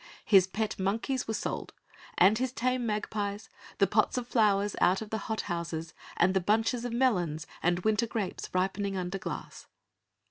His pet monkeys were sold and his tame magpies, the pots of flowers out of the hothouses and the bunches of melons and winter grapes ripening under glass.